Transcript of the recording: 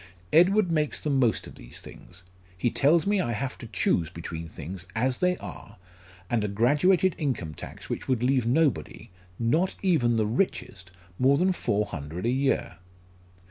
Edward makes the most of these things. He tells me I have to choose between things as they are, and a graduated income tax which would leave nobody not even the richest more than four hundred a year."